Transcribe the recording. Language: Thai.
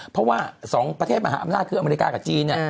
เพราะว่า๒ประเทศมหาอำนาจคืออเมริกากับจีน